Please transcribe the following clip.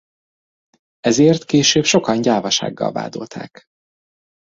Ezért később sokan gyávasággal vádolták.